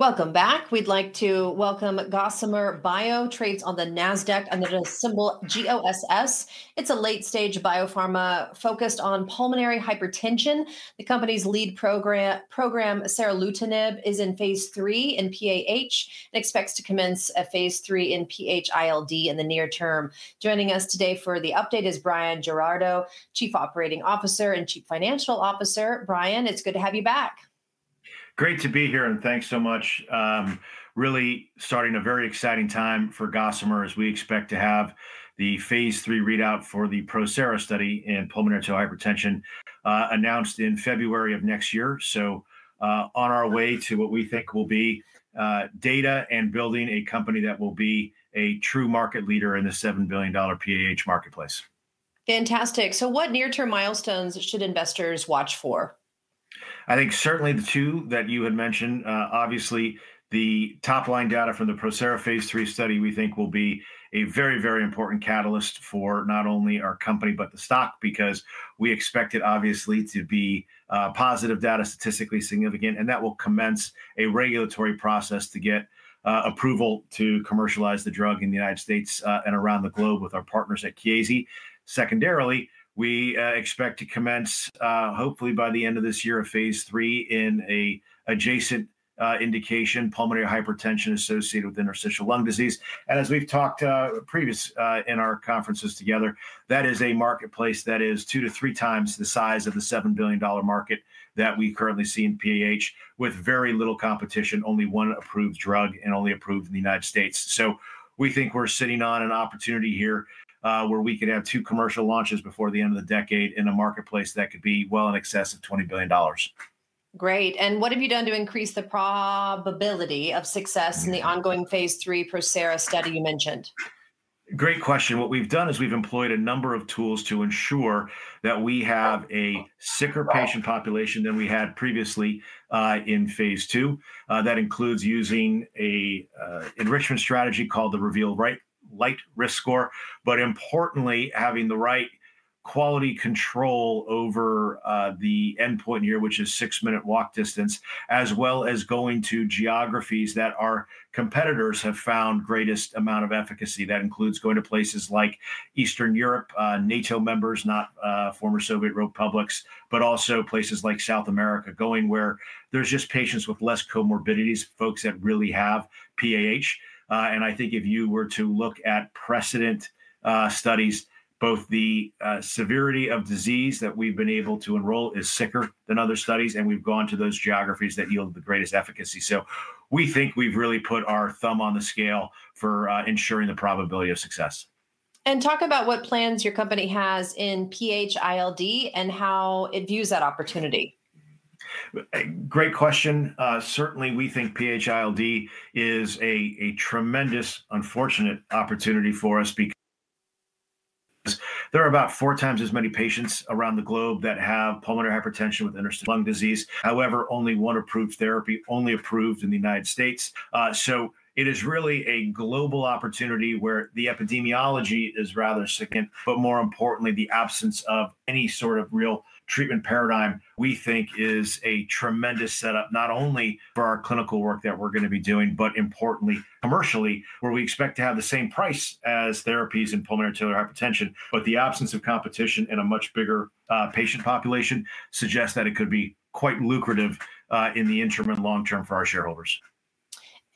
Welcome back. We'd like to welcome Gossamer Bio, trades on the NASDAQ under the symbol GOSS. It's a late-stage biopharma focused on pulmonary hypertension. The company's lead program, seralutinib, is in phase 3 in PAH and expects to commence a phase 3 in PH-ILD in the near term. Joining us today for the update is Bryan Giraudo, Chief Operating Officer and Chief Financial Officer. Bryan, it's good to have you back. Great to be here and thanks so much. Really starting a very exciting time for Gossamer as we expect to have the phase 3 readout for the PROSERA study in pulmonary arterial hypertension announced in February of next year. We are on our way to what we think will be data and building a company that will be a true market leader in the $7 billion PAH marketplace. Fantastic. What near-term milestones should investors watch for? I think certainly the two that you had mentioned. Obviously, the top-line data from the PROSERA phase 3 study we think will be a very, very important catalyst for not only our company but the stock because we expect it obviously to be positive data, statistically significant, and that will commence a regulatory process to get approval to commercialize the drug in the United States and around the globe with our partners at Chiesi. Secondarily, we expect to commence hopefully by the end of this year a phase 3 in an adjacent indication, pulmonary hypertension associated with interstitial lung disease. As we've talked previously in our conferences together, that is a marketplace that is two to three times the size of the $7 billion market that we currently see in PAH with very little competition, only one approved drug and only approved in the United States. We think we're sitting on an opportunity here where we could have two commercial launches before the end of the decade in a marketplace that could be well in excess of $20 billion. Great. What have you done to increase the probability of success in the ongoing phase 3 PROSERA study you mentioned? Great question. What we've done is we've employed a number of tools to ensure that we have a sicker patient population than we had previously in phase 2. That includes using an enrichment strategy called the REVEAL Lite Risk Score, but importantly having the right quality control over the endpoint here, which is six-minute walk distance, as well as going to geographies that our competitors have found the greatest amount of efficacy. That includes going to places like Eastern Europe, NATO members, not former Soviet republics, but also places like South America, going where there's just patients with less comorbidities, folks that really have PAH. If you were to look at precedent studies, both the severity of disease that we've been able to enroll is sicker than other studies, and we've gone to those geographies that yield the greatest efficacy. We think we've really put our thumb on the scale for ensuring the probability of success. Please talk about what plans your company has in PH-ILD and how it views that opportunity. Great question. Certainly, we think PH-ILD is a tremendous, unfortunate opportunity for us because there are about four times as many patients around the globe that have pulmonary hypertension with interstitial lung disease. However, only one approved therapy, only approved in the United States. It is really a global opportunity where the epidemiology is rather significant, but more importantly, the absence of any sort of real treatment paradigm we think is a tremendous setup, not only for our clinical work that we're going to be doing, but importantly commercially, where we expect to have the same price as therapies in pulmonary arterial hypertension. The absence of competition in a much bigger patient population suggests that it could be quite lucrative in the interim and long term for our shareholders.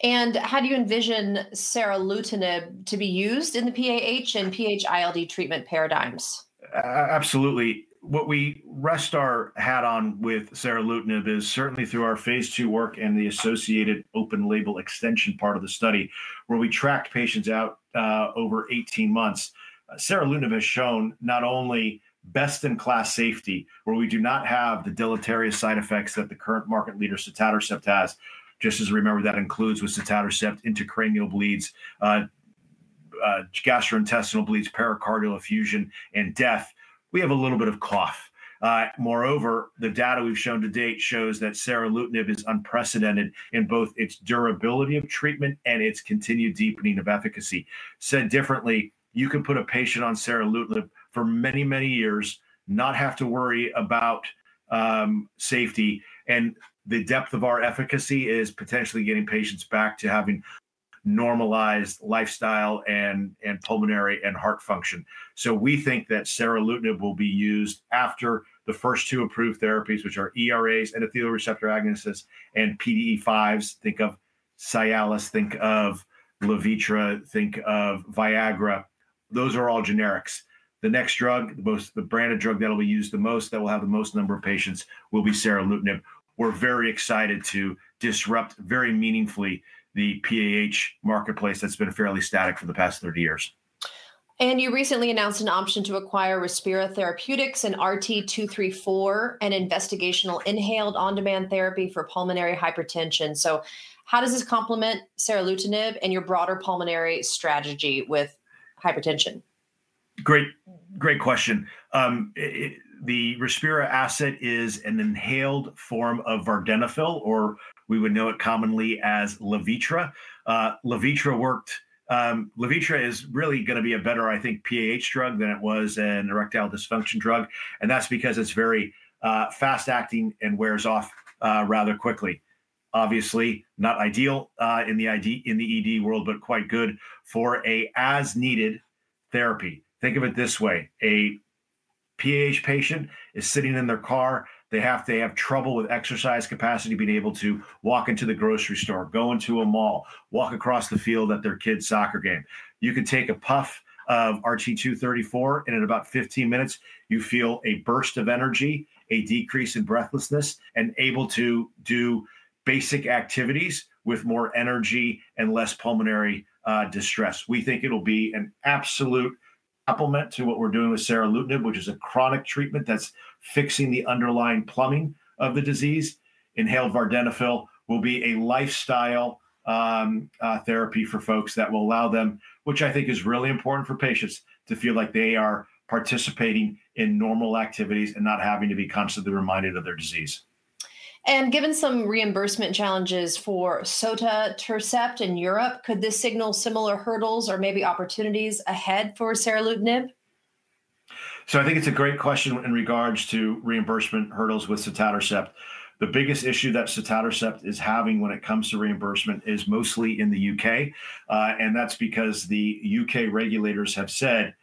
How do you envision seralutinib to be used in the PAH and PH-ILD treatment paradigms? Absolutely. What we rest our hat on with seralutinib is certainly through our phase 2 work and the associated open-label extension part of the study, where we track patients out over 18 months. Seralutinib has shown not only best-in-class safety, where we do not have the deleterious side effects that the current market leader, sotatercept, has. Just as we remember, that includes with sotatercept, intracranial bleeds, gastrointestinal bleeds, pericardial effusion, and death. We have a little bit of cough. Moreover, the data we've shown to date shows that seralutinib is unprecedented in both its durability of treatment and its continued deepening of efficacy. Said differently, you can put a patient on seralutinib for many, many years, not have to worry about safety, and the depth of our efficacy is potentially getting patients back to having normalized lifestyle and pulmonary and heart function. We think that seralutinib will be used after the first two approved therapies, which are ERAs, endothelin receptor antagonists, and PDE5s. Think of Cialis, think of Levitra, think of Viagra. Those are all generics. The next drug, the branded drug that will be used the most, that will have the most number of patients will be seralutinib. We're very excited to disrupt very meaningfully the PAH marketplace that's been fairly static for the past 30 years. You recently announced an option to acquire Respira Therapeutics and RT234, an investigational inhaled on-demand therapy for pulmonary hypertension. How does this complement seralutinib and your broader pulmonary strategy with hypertension? Great, great question. The Respira asset is an inhaled form of vardenafil, or we would know it commonly as Levitra. Levitra is really going to be a better, I think, PAH drug than it was an erectile dysfunction drug. That is because it's very fast-acting and wears off rather quickly, obviously not ideal in the ED world, but quite good for an as-needed therapy. Think of it this way. A PAH patient is sitting in their car. They have to have trouble with exercise capacity, being able to walk into the grocery store, go into a mall, walk across the field at their kid's soccer game. You could take a puff of RT234 and in about 15 minutes, you feel a burst of energy, a decrease in breathlessness, and able to do basic activities with more energy and less pulmonary distress. We think it'll be an absolute supplement to what we're doing with seralutinib, which is a chronic treatment that's fixing the underlying plumbing of the disease. Inhaled vardenafil will be a lifestyle therapy for folks that will allow them, which I think is really important for patients, to feel like they are participating in normal activities and not having to be constantly reminded of their disease. Given some reimbursement challenges for sotatercept in Europe, could this signal similar hurdles or maybe opportunities ahead for seralutinib? I think it's a great question in regards to reimbursement hurdles with sotatercept. The biggest issue that sotatercept is having when it comes to reimbursement is mostly in the U.K. That's because the U.K. regulators have said,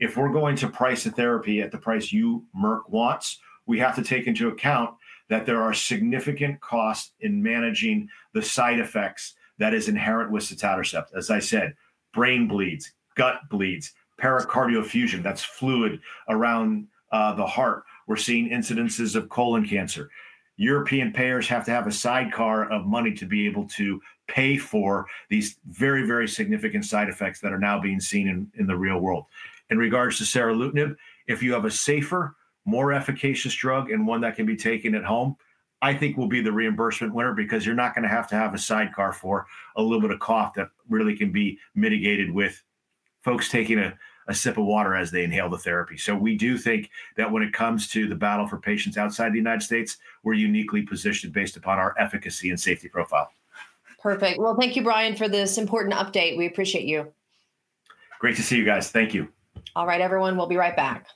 if we're going to price a therapy at the price you, Merck, want, we have to take into account that there are significant costs in managing the side effects that are inherent with sotatercept. As I said, brain bleeds, gut bleeds, pericardial effusion, that's fluid around the heart. We're seeing incidences of colon cancer. European payers have to have a sidecar of money to be able to pay for these very, very significant side effects that are now being seen in the real world. In regards to seralutinib, if you have a safer, more efficacious drug and one that can be taken at home, I think will be the reimbursement winner because you're not going to have to have a sidecar for a little bit of cough that really can be mitigated with folks taking a sip of water as they inhale the therapy. We do think that when it comes to the battle for patients outside the United States, we're uniquely positioned based upon our efficacy and safety profile. Perfect. Thank you, Bryan, for this important update. We appreciate you. Great to see you guys. Thank you. All right, everyone. We'll be right back.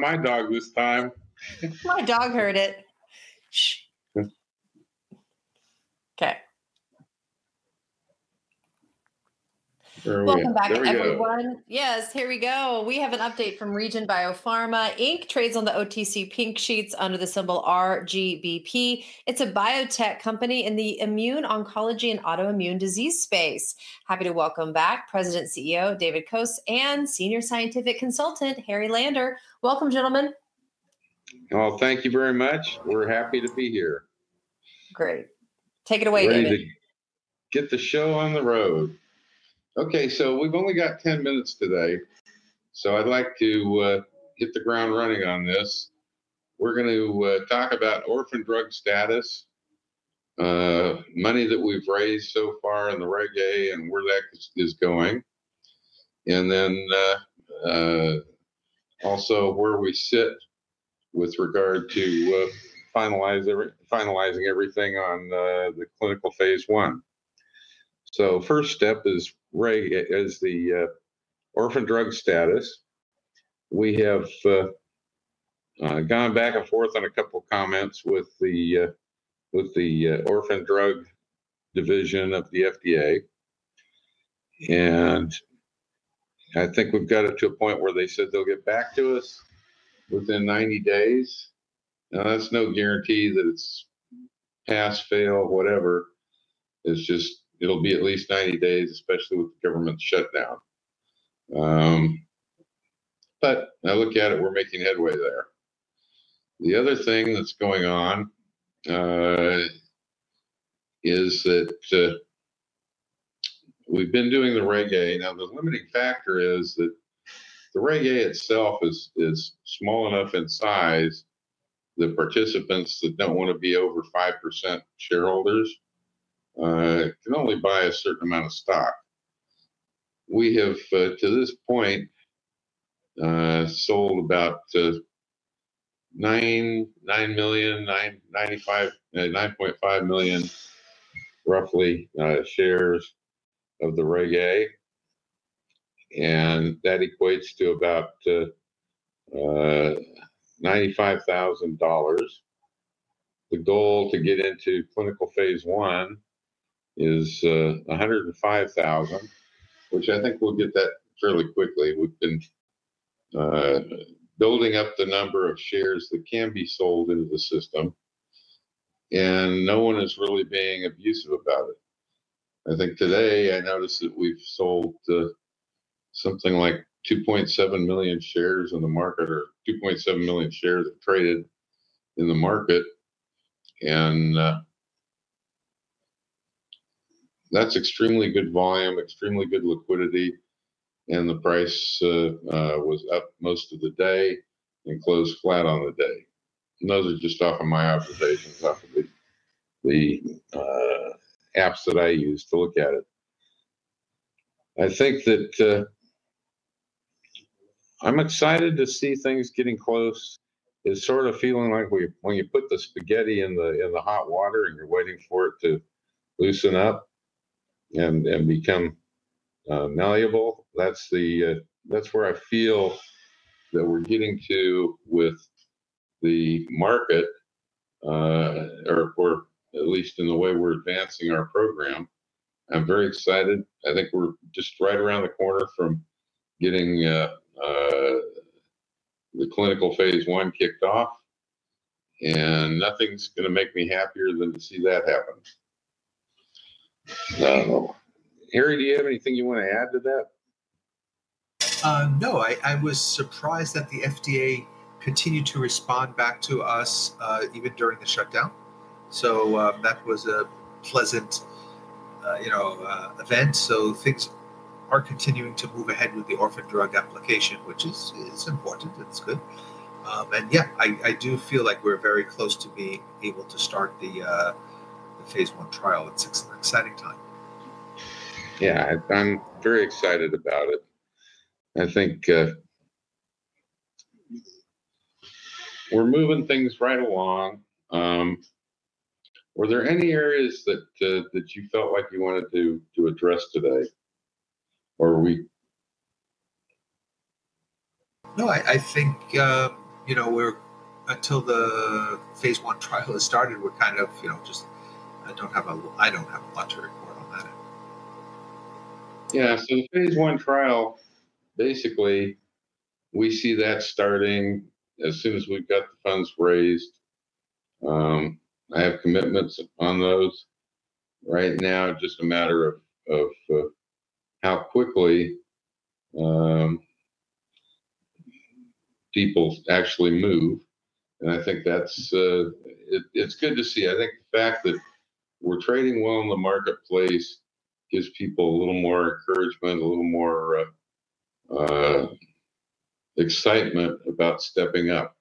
That's not my dog this time. My dog heard it. Okay. Welcome back, everyone. Yes, here we go. We have an update from Regen BioPharma, Inc., trades on the OTC Pink sheets under the symbol RGBP. It's a biotech company in the immune-oncology and autoimmune disease space. Happy to welcome back President and CEO David Koos and Senior Scientific Consultant Harry Lander. Welcome, gentlemen. Thank you very much. We're happy to be here. Great. Take it away, David. Get the show on the road. Okay, we've only got 10 minutes today. I'd like to hit the ground running on this. We're going to talk about Orphan Drug status, money that we've raised so far in the Reg A and where that is going, and then also where we sit with regard to finalizing everything on the clinical phase 1. First step is the orphan drug status. We have gone back and forth on a couple of comments with the Orphan Drug division of the FDA. I think we've got it to a point where they said they'll get back to us within 90 days. That's no guarantee that it's pass/fail, whatever. It'll be at least 90 days, especially with the government shutdown. I look at it, we're making headway there. The other thing that's going on is that we've been doing the Reg A. The limiting factor is that the Reg A itself is small enough in size that participants that don't want to be over 5% shareholders can only buy a certain amount of stock. We have, to this point, sold about 9 million, 9.5 million roughly, shares of the Reg A, and that equates to about $95,000. The goal to get into clinical phase 1 is $105,000, which I think we'll get that fairly quickly. We've been building up the number of shares that can be sold into the system, and no one is really being abusive about it. I think today I noticed that we've sold something like 2.7 million shares in the market or 2.7 million shares are traded in the market. That's extremely good volume, extremely good liquidity, and the price was up most of the day and closed flat on the day. Those are just off of my observations off of the apps that I use to look at it. I think that I'm excited to see things getting close. It's sort of feeling like when you put the spaghetti in the hot water and you're waiting for it to loosen up and become malleable. That's where I feel that we're getting to with the market, or at least in the way we're advancing our program. I'm very excited. I think we're just right around the corner from getting the clinical phase 1 kicked off, and nothing's going to make me happier than to see that happen. Harry, do you have anything you want to add to that? No, I was surprised that the FDA continued to respond back to us even during the shutdown. That was a pleasant event. Things are continuing to move ahead with the Orphan Drug application, which is important. It's good. I do feel like we're very close to being able to start the phase 1 trial at six months' setting time. Yeah, I'm very excited about it. I think we're moving things right along. Were there any areas that you felt like you wanted to address today? I think until the phase 1 trial has started, we're just, I don't have a lot to report on that end. Yeah, so the phase 1 trial, basically, we see that starting as soon as we've got the funds raised. I have commitments on those right now. It's just a matter of how quickly people actually move. I think that's good to see. I think the fact that we're trading well in the marketplace gives people a little more encouragement, a little more excitement about stepping up.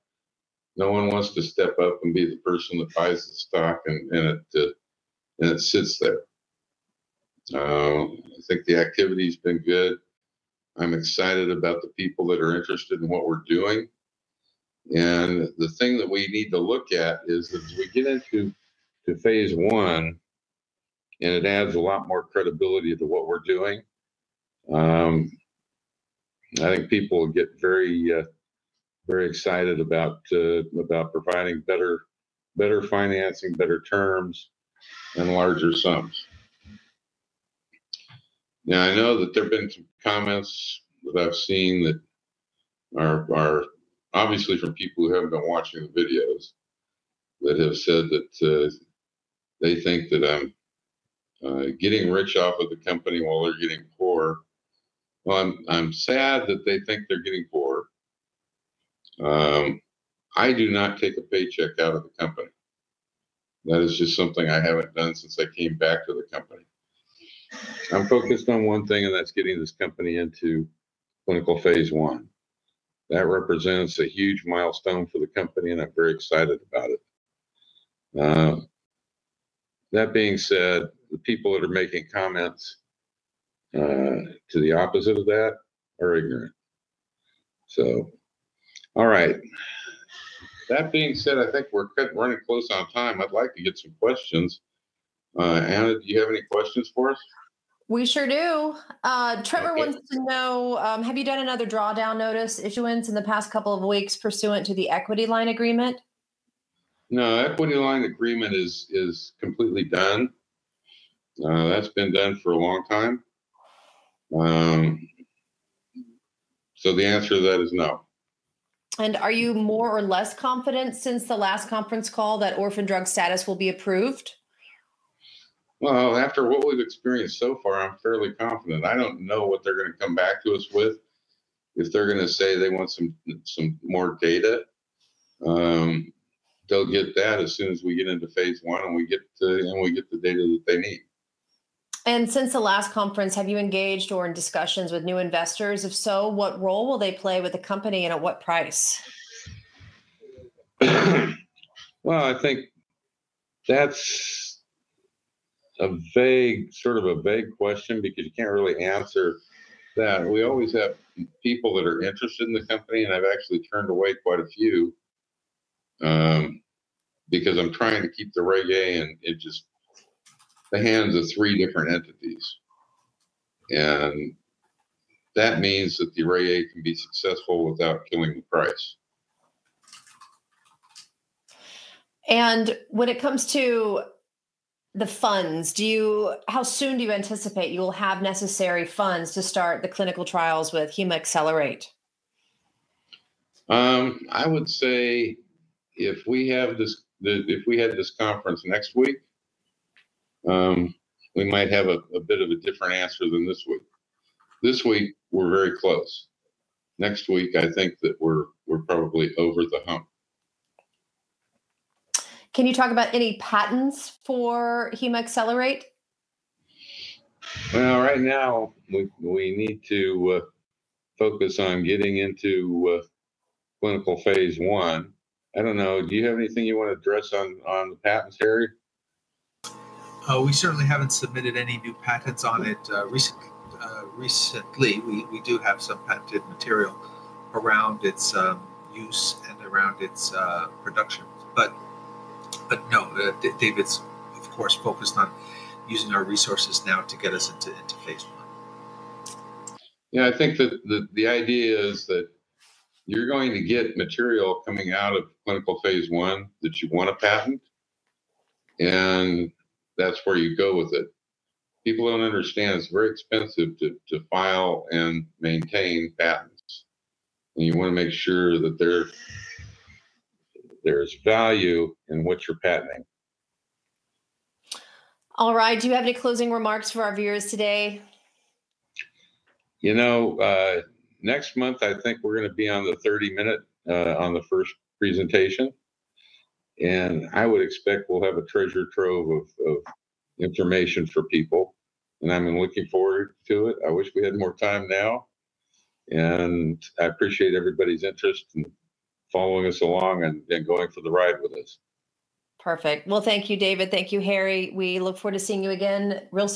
No one wants to step up and be the person that buys the stock and it sits there. I think the activity has been good. I'm excited about the people that are interested in what we're doing. The thing that we need to look at is that as we get into phase 1, and it adds a lot more credibility to what we're doing, I think people will get very, very excited about providing better financing, better terms, and larger sums. I know that there have been some comments that I've seen that are obviously from people who haven't been watching the videos that have said that they think that I'm getting rich off of the company while they're getting poor. I'm sad that they think they're getting poor. I do not take a paycheck out of the company. That is just something I haven't done since I came back to the company. I'm focused on one thing, and that's getting this company into clinical phase 1. That represents a huge milestone for the company, and I'm very excited about it. That being said, the people that are making comments to the opposite of that are ignorant. All right. That being said, I think we're running close on time. I'd like to get some questions. Anna, do you have any questions for us? We sure do. Trevor wants to know, have you done another drawdown notice issuance in the past couple of weeks pursuant to the equity line agreement? No, the equity line agreement is completely done. That's been done for a long time. The answer to that is no. Are you more or less confident since the last conference call that Orphan Drug status will be approved? After what we've experienced so far, I'm fairly confident. I don't know what they're going to come back to us with. If they're going to say they want some more data, they'll get that as soon as we get into phase 1 and we get the data that they need. Since the last conference, have you engaged or in discussions with new investors? If so, what role will they play with the company and at what price? I think that's a sort of a vague question because you can't really answer that. We always have people that are interested in the company, and I've actually turned away quite a few because I'm trying to keep the Reg A offering in just the hands of three different entities. That means that the Reg A offering can be successful without killing the price. When it comes to the funds, how soon do you anticipate you will have necessary funds to start the clinical trials with HemaAccelerate? I would say if we had this conference next week, we might have a bit of a different answer than this week. This week, we're very close. Next week, I think that we're probably over the hump. Can you talk about any patents for HemaAccelerate? Right now, we need to focus on getting into clinical phase 1. I don't know. Do you have anything you want to address on the patents, Harry? We certainly haven't submitted any new patents on it recently. We do have some patented material around its use and around its production. No, David's, of course, focused on using our resources now to get us into phase 1. Yeah, I think that the idea is that you're going to get material coming out of clinical phase 1 that you want to patent, and that's where you go with it. People don't understand it's very expensive to file and maintain patents. You want to make sure that there's value in what you're patenting. All right. Do you have any closing remarks for our viewers today? Next month, I think we're going to be on the 30-minute on the first presentation. I would expect we'll have a treasure trove of information for people. I'm looking forward to it. I wish we had more time now. I appreciate everybody's interest in following us along and going for the ride with us. Perfect. Thank you, David. Thank you, Harry. We look forward to seeing you again real soon.